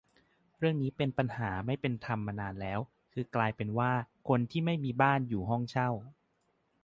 เรื่องนี้เป็นปัญหาไม่เป็นธรรมมานานแล้ว คือกลายเป็นว่า คนที่ไม่มีบ้าน อยู่ห้องเช่า